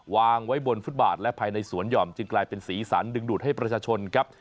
วางไว้บนฟุตบาทและภายในสวนห่อมจึงกลายเป็นสีสันดึงดูดให้ประชาชนครับ